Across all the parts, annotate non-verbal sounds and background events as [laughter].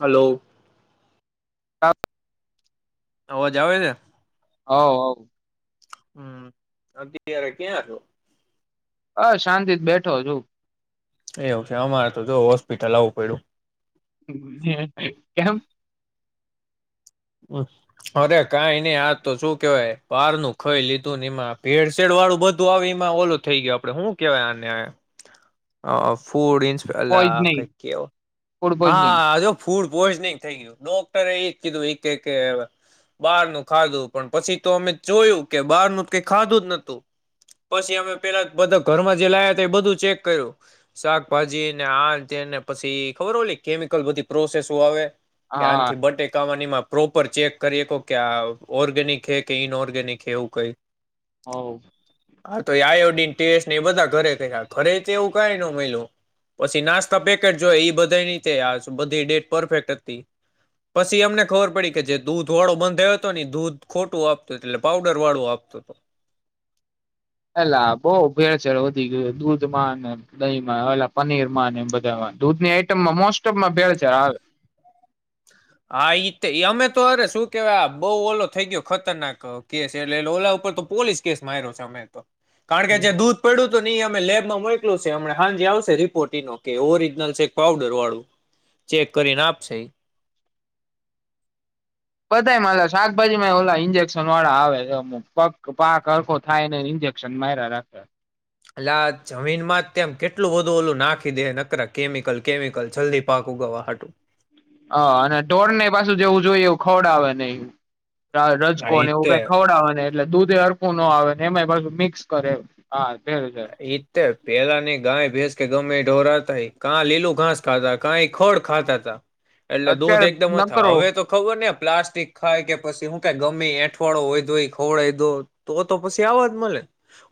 હાલો [unintelligible] અવાજ આવે છે? હવ હવ. હમ્મ અત્યારે ક્યાં છો? હ શાંતિ જ બેઠો છું એવું છે, અમારે તો જોવ હોસ્પિટલ આવું પડું [inaudible] કેમ? અરે કાઈની આ તો શું કેવાય બાર નું ખઈ લીધું ને એમાં ભેડસેડ વાળું બધું આવ એમાં ઓલું થઈ ગયું આપડે શું કેવાય આને ફૂડ છ લા પોઈઝનિંગ કંઈક કેવો ફૂડ હા પોઈઝનિંગ આજો ફૂડ પૂજનિંગ થઈ ગ્યું ડોક્ટર એ કોળુ કેક બાર નું ખાધું પણ પછી તો મેં એ જોયું કે બાર નું તો કઈ ખાધું સ નથુ પછી હમે પેલા બધું કર્મ જલાયા ન બાળુ છેક કર્યું શાકભાજી ન આ તે ન પછી ખબર હો કેમિકલ બધી પ્રોસેસ આવે, કે હા આનથી બટટેકાવાની માપ પ્રોપર ચેક કરીએ કો કે આ ઓર્ગેનિક હે કે ઇન ઓર્ગેનિક હે એવું કઈ હાલો હા તો આયોડીન ટેસને બધા ઘરે રહ્યા ઘરે એવું કઈ ન મયલુ પછી નાસ્તા પેકેટ જોય ઈ બ ની બધી ડેટ પરફેક્ટ હતી પછી અમને ખબર પડી કે જે દૂધ વાળો બંધ થયો હતો દૂધ ખોટું આપતુંું એટલે પાવડર વાળું આપતો હતો. એલા બહ ભેળચડ વધી ગયો દૂધમાં દહીંમાં એલા પનીરમાં એ બધા દૂધની આઈટમમાં મોસ્ટ ઓફમાં ભેળચાર આવે. હા, ઈ અમે તો અરે શું કેવાય આ બઉ ઓલો થઈ ગયો ખતરનાક કેસ એટલે ઓલા ઉપર તો પોલીસ કેસ માર્યો છે. અમે તો કારણ કે જે દૂધ પડું જો નહી અમે લેબમાં મોકલું છે હમણાં હાંજે આવશે રિપોર્ટ ઈનો કે ઓરિજનલ છે ક પાવડરવાળું ચેક કરીને આપશે ઈ. બધા મા લા શાકભાજી માંય ઓલા ઈન્જેક્શનવાળા આવે પગ પાક હરખો થાય નૈન ઇન્જેક્શન માયરા રાખે. લા આ જમીનમાં જ તેમ કેટલું બધું ઓલું નાખી દે નકરા કેમિકલ કેમિકલ જલ્દી પાક ઉગાવા હાટુ. હ, અને ઢોળને એ પાછું જેવું જોઈએ એવું ખવડાવે નહી. કા હા રજકો ઈ ને એવું તે કઈ ખવડાવવા ને ટલે દૂધે હરખું નો આવે એમાંય પાછું મિક્સ કરે હા. ભેળસેળ ઇત્તે પેલાની ગાય ભેસ કે ગમે ડોરા તઈ કાં લીલુ ઘાસ ખાતા કાંઈ ખોડ ખાતાતા. એટલે દૂધ અત્યારે એકદમ થા નકરો હવે તો ખબર ને પ્લાસ્ટિક ખાય કે પછી હું કાંઈ ગમે એઠવાડો હોય તોય ખવડાઈ દો તો તો પછી આવાજ મલે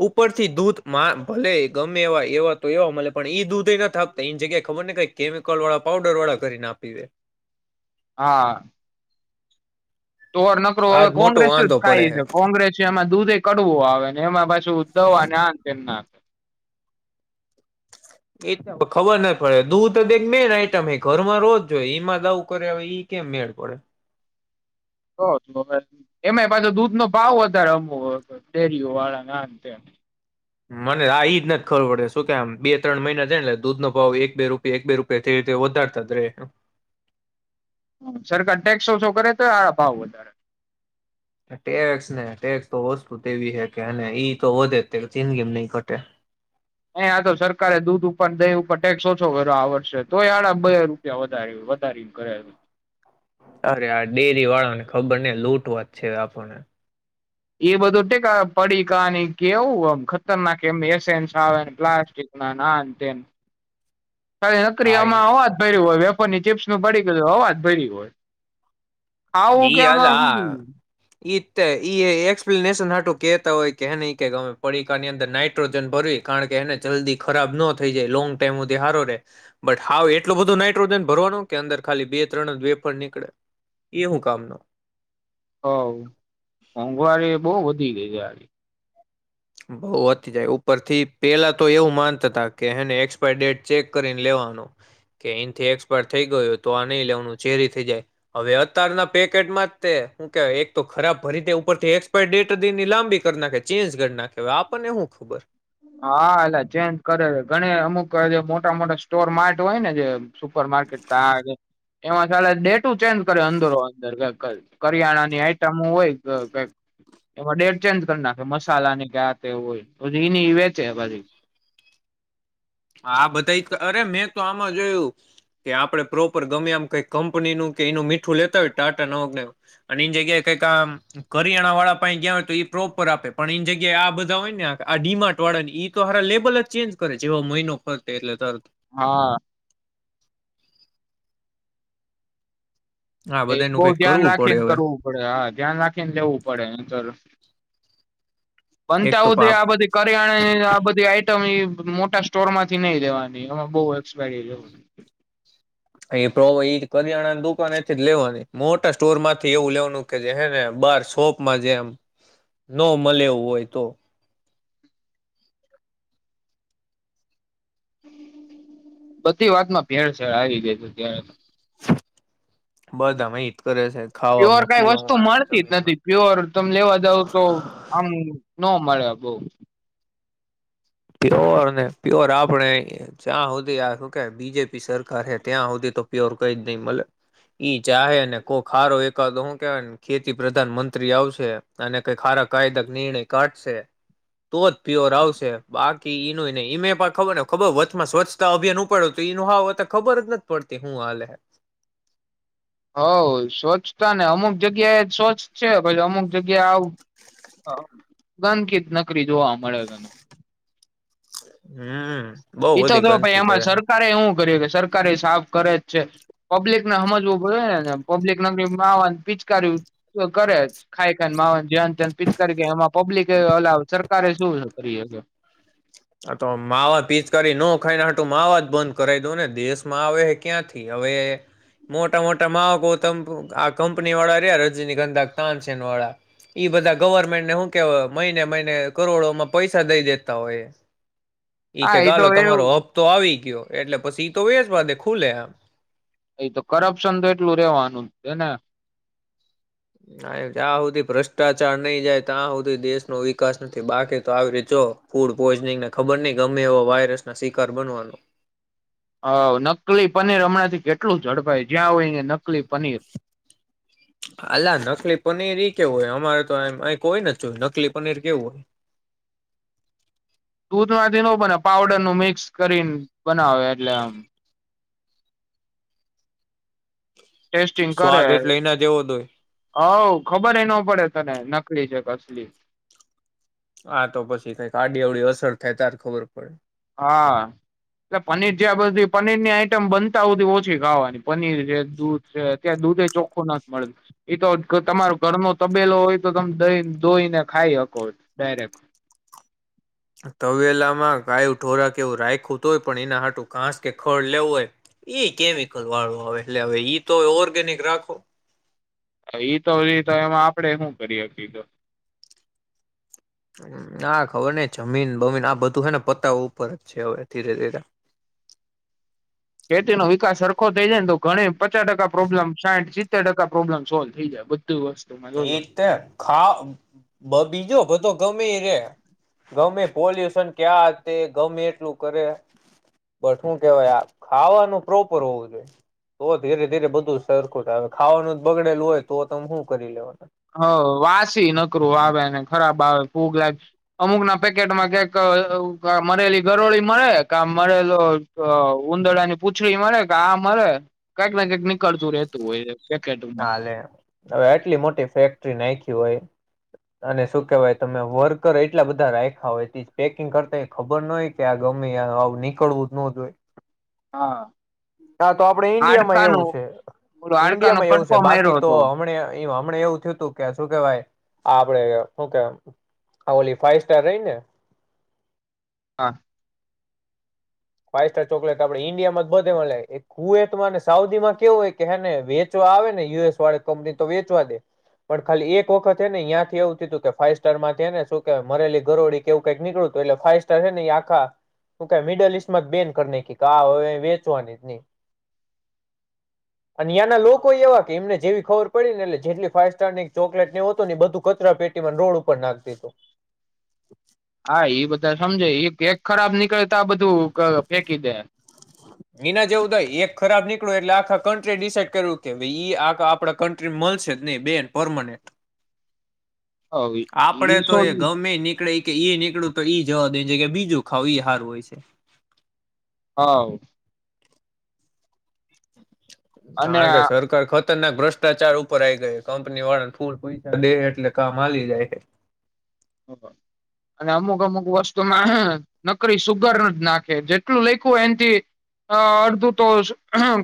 ઉપરથી દૂધ મા ભલે ગમે એવા એવા તો એવા મલે પણ ઈ દૂધેય નથ આપતા ઈન જગ્યાએ ખબર નઈ કઈ કેમિકલવાળા પાઉડરવાળા કરીન આપી દે. હા. તોર નકરો હવે આજ મોટો કોંગ્રેસ જ વાંધો ખાય પડે હે છે કોંગ્રેસ એમાં દૂધે કડવું આવેને એમાં પાછ શું ઉદધવ આના ન તે એ ખબર નથ પડે દૂધ તો એક મેન આઈટમ હે, ઘરમાં રોજ જોઈ ઈમાં દઉ કરે હવે ઈ કેમ મેળ પડે. તો [unintelligible] એમાંય પાછો દૂધનો ભાવ વધારે અમો ડેરીઓવાળા આન તેમ. મને આ ઈજ નથ ખબર પડે શું કે આમ બે ત્રણ મહિના છે ટલે દૂધ નો ભાવ એક બે રૂપિયા એક બે રૂપિયા તે રીતે વધારતા જ રહે. સરકાર ટેક્સ ઓછો કરે તોય હારા ભાવ વધારે. ટેક્સને ટેક્સ તો વસ્તુ તે એવી હે કે અને ઈ તો વધે જ તે જિંદગીમ નહી ઘટે. એ આ તો સરકારે દૂધ ઉપર દહી ઉપર ટેક્સ ઓછો કર્યો આ વર્ષે તોય આડા બે રૂપિયા વધારે વધારી કરેલું. અરે આ ડેરીવાળાને ખબર ને લૂંટવાત છે આપણને. એ બધું ટેકા પડીકાની કેવું એમ ખતરનાક એમ એસેન્સ આવે પ્લાસ્ટિક ના ના આન તેન. કા હા ઈ જ નકરીમાંવા તો ભરી હોય ઉપરની ચીપ્સ નું પડી ગયું હવા જ ભરી હોય. આવુ હું કેમા હો એ એક્સપ્લેનેશન આટું કેહેતા હોય કે એ નહી કે ગમે પડીકાની અંદર નાઈટ્રોજન ભરવી કારણ કે એને જલ્દી ખરાબ ન થઈ જાય લોંગ ટાઈમધી હારો રે બટ હાવ એટલું બધું નાઈટ્રોજન ભરવાનું કે અંદર ખાલી બે ત્રણ જ બેફર નીકળે એ હું કામનો હ મોંઘવારી બઉ વધી ગઈ છે હારી બઉ અતી જાય ઉપરથી પેલા તો એવું માનતા હતા કે હને એક્સપાયર ડેટ ચેક કરીને લેવાનું કે અહીથી એક્સપાયર થઇ ગયુંય તો આ નહી લેવાનું ચેરી થઇ જાય હવે અત્યારના પેકેટમાં તે હું કેવા એક તો ખરાબ ભરી ઉપરથી એક્સપાયર ડેટ હતીની લાંબી કરી નાખે ચેન્જ કરી નાખે. હવે આપણને હું ખબર. હા એટલે ચેન્જ કરે ઘણી અમુક જે મોટા મોટા સ્ટોર માર્ટ હોય ને જે સુપર માર્કેટ એમાં ડેટું ચેન્જ કરે અંદરો અંદર કરિયાણાની આઈટમ હોય કે કઈક એમાં ડેટ ચેન્જ કરી નાખે મસાલા ની કે આ તે હોયી નીવે છે ભ. આ બધા અરે મેં તો આમાં જોયું કે આપડે પ્રોપર ગમે એમ કઈક કંપનીનુંું કે એનું મીઠું લેતા હોય ટાટા નવકને અને એની જગ્યાએ કઈક આમ કરિયાણા વાળા પા ગયા હોય તો ઈ પ્રોપર આપે પણ એની જગ્યાએ આ બધા હોય ને આ ડીમાર્ટ વાળા તોાર લેવલ જ ચેન્જ કરે છે. મ ન ફર એટલે ત હા. હા એ બધાનું બહ કઈક ધ્યાન કરવું પડે રાખીને હવે કરવું પડે હા ધ્યાન રાખીને લેવું પડે નહિતર. એક બનતા તો હુધી પાપ આ બધી કરીયાણે આ બધી આઈ મોટા સ્ટોર માંથી નહી રેવાની અ બ એસપાયરીવા એ પ્ર કરિયાણાની દુકાન એથી જ લેવાની મોટા સ્ટોર માંથી એવું લેવાનું કે જે હેને બાર શોપમાં જેમ ન મળે એવું હોય તો બધી વાતમાં ભેળ શેળ આવી ગય તું ત્યારે. બધામાં હિત કરે છે પ્યોર ખાવામાં કઈ વસ્તુ પીવામાં મળતી જ જમીનમાં નથી પ્યોર તમે લેવા જાવ તો આમ. ન મળે બઉ. પ્યોર પ્યોર આપણે જ્યાં સુધી આ શું કે બીજેપી સરકાર હ ત્યાં સુધી તો પ્યોર કઈ જ નહી મળે ઈ ચાહેને કોઈ ખારો એકાદ શું કેવાય ખેતી પ્રધાન મંત્રી આવશે અને કઈ ખારા કાયદા નિર્ણય કાઢશે તો જ પ્યોર આવશે. બાકી નુંય નહ મે પણ ખબર ખબર વતમાં સ્વચ્છતા અભિયાન ઉપાડ હત એનું હા તો ખબર જ નથી પડતી હું હાલે. હવ સ્વચ્છતા ને અમુક જગ્યા એ જ સ્વચ્છ છે પછી અમુક જગ્યા આવ ગંદકીિત નકરી જોવા મળે તને હમ. [unintelligible] એતો બધી તો ભાઈ ગંદકી એમાં કરે સરકારે એું કર્યું કે સરકારે એ સાફ કરે. છે પબ્લિક ના સમજવુંને પબ્લિક ના માવાન પિચકાર કરે ખાઈ ન માવાન ધ્યાન ત્યાન પીચકારી કે એમાં પબ્લિક અ સરકારે જો છ કરી હજ. આ તો માવા પીચકાર ન ખાઈનેટું માવા જ બંધ કરાવ દઉ ને દેશમાં આવે હ ક્યાંથી હવે મોટા મોટા માવા ક આ કંપની વાળા રહ્યા રજની ગંધાક તાનસેન વાળા ઈ બધા ગવર્મેન્ટને શું કેવાય મહિને મહિને કરોડોમાં પૈસા દઈ દેતા હોય. એઈ હા કે એ તો ગાલો એવું તમારો હફ તો આવી. ગયો એટલે પછી તો વસ વા દે ખુલે આમ. એ તો કરપ્શન તો એટલું રેવાનું છે ને ત્યાં સુધી ભ્રષ્ટાચાર નહી જાય ત્યાં સુધી દેશનો વિકાસ નથી બાકી તો આવી રી જો ફૂડ પોઈઝનિંગને ખબર નહ ગમે એવો વાયરસ ના શિકાર બનવાનો હ નકલી પનીર હમણાં થી કેટલું જડપાઈ જ્યાં હોય નકલી પનીર. હાલા નકલી પનીર એ કેવું હોય અમારે તો અ કોય ન જો નકલી પનીર કેવું હોય દૂધમાંથી ન બને પાવડર નું મિક્સ કરી બનાવે એટલે આમ ટેસ્ટિંગ કરે સ્વાદ એટલે એના જેવો જ હોય હ ખબર હ ન પડે. તને નકલી છે ક અસલી હા તો પછી કઈક આડી અવડી અસર થાય તાર ખબર પડે. હા એટ પનીર જ્યાં બધી પનીરની આઈટમ બનતા બધી ઓછી ખાવાની પનીર છે દૂધ છે તં દૂધ એ ચોખ્ખું નથી મળતું એ તો તમારો ઘરનો તબેલો હોય તો તમે દહી ધોઈને ખાઈ શકો ડાયરેક. તવેલામાં કાયું ઢોરા કે એવું રાખું તો હોય પણ એના આટું ઘાસ કે ખળ લેવું હોય એ કેમિકલ વાળું આવે એટલે હવે તો ઓર્ગેનિક રાખો. એઈતો ર તો એમાં આપડે શું કરીએ કીધું. ના ખબર નહ જમીન બમીન આ બધું છે ને પત્તા ઉપર જ છે હવે ધીરે ધીરે. ખેતી નો વિકાસ સરરખો થઈ જાય ને તો ઘણી પચાસ ટકા પ્રોબ્લેમ સાઠ સિત્તેર ટકા પ્રોબ્લેમ સોલ્વ થઈ જાય. બધું વસ્તુમાં જોજો એ ત ખા બ બીજો બધો. ગમેી રે ગમે પોલ્યુશન ક્યાં તે ગમે એટલું કરે બટ શું કેહેવાય આ ખાવાનું પ્રોપર હોવું જોઈએ તો ધીરે ધીરે બધું સરખું જ આવે ખાવાનું જ બગડેલું હોય તો તમેું. કરી લે. હ વાસી નકરું આવેને ખરાબ આવે ફૂગ લાગે અમુક ના પેકેટમાં કક મરેલી ગરોળી મળે ક મરેલો ઉંધડાની પૂછડી મળે કે આ મરે કઈક ને કઈક નીકળતું રહેેતું હોય. પેકેટમાં ના લે હવે એટલી મોટી ફેક. નાખી હોય અને શું કેહેવાય તમે વર્કર એટલા બધા રાખ્યા હોય તે પેકિંગ કરતા ખબર ન હોય કે આ ગમે નીકળવું જ ન જો હોય. હા હા તો આપડે ઈન્ડિયામાં હાડકાનું એવું છે ઓલો હાડકા નો ઈન્ડિયામાં કટકો એવું. બાકી માર્યો તો હતો હમ. હમ એવું થયું તું કે શ કેવા આપે શું કે ઓલી ફાઈવ સ્ટાર રહીને. હા [unintelligible] ફાઈવ સ્ટાર ચોકલેટ આપે ઈન્ડિયામાં જ બધે કુવેતને સાઉદી માં કેવું હોય કેેને વેચવા આવે ને યુ એસ વાળે કંપની તો વેચવા દે પણ ખાલી એક વખત હ ને તંથી એવું થું કે ફાઈવ સ્ટાર માંથીને શું મરેલી ઘરોળડી કેવું કઈક નીકળું હતું એટલે ફાઈવ સાર હ આા મિડ ઈસ્ટ. કિસ્મત બેન કર ક કાવે વેચવાનીતની. અિયાં ના લોકો એવા કે એમને. જેવી ખબર પડી ને એટલે જેટલી ફાઈવ સ્ટાર ની ચોકલેટ એવ હતો ને એ બધું કચરા પેટીમાં રોડ ઉપર નાખતી. હા એ બધા સમજે એ કેક ખરાબ નીકળે તો આ બધું ફેંકી દે. એના જેવું થાય એક ખરાબ નીકળ્યું એટલે આખા કન્ટ્રીએ ડિસાઈડ કર્યું કે ઈ આ આપડા કન્ટ્રી મળશે જ નહી બે પરમાનેન્ટ. હ આપડે ઈ તો સો એ ગમેય નીકળી. કે ઈ નીકળું તો ઈ જવા દે છે કે બીજું ખાવ ઈ હારું હોય છે. હા. અને કારણ કે સરકાર ખત. ર ના ભ્રષ્ટાચાર ઉપર આઈ ગયા કંપની વાળાને થૂર પૈસા દે એટલે કામ હલી જાય છે. અને અમુક અમુક વસ્તુમાં નકરી સુુગર જ નાખે જેટલું લેખું હોય એથી અડધું તો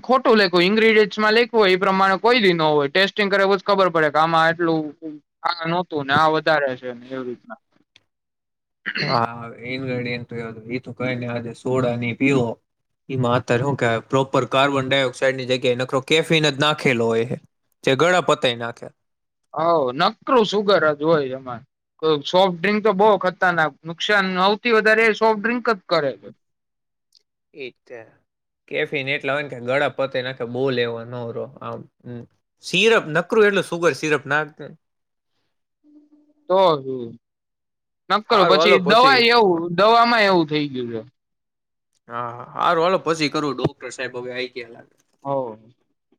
ખોટું લેખું હોય ઈન્ગ્રીડિયન્ટમાં લેખું હોય એ પ્રમાણે કોઈ બી ન હોય ટેસ્ટિંગ કરેવ જ ખબર પડે કે આમાં આટલું આ નહોતું ને આ વધારે છેને. એવી રીતના, હા એ. ક સોડા ની પીવો એમાં અત્યારે શું કે પ્રોપર કાર્બન ડાયોક્સાઈડની જગ્યાએ નખ કેફિન જ નાખેલો હોય જે ગળ પતાય નાખ્યા. હ નકરું સુગરજ હોય એમાં સોફ્ટ ડ્રિંક તો બહ ખતરનાક નુકસાન સવથી વધારે એ સોફ્ટ ડ્રિંક જ કરે છે. એ કેફિન એટલા હોય ને કે ગળા પતે નાખ બોલેવા નરો આમ સિરપ નકરું એટલું સુગર સિરપ નાખ. તો હ. નક્ કરો હારું હાલો પછી દવા એવું દમાં એવું. થઈ ગયું છે. હાા સારું હલો પછી કરું ડોક્ટર સાહેબ હવે આવી ગયા લ. [inaudible]